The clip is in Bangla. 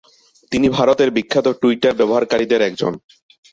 তিনি ভারতের বিখ্যাত টুইটার ব্যবহারকারীদের একজন।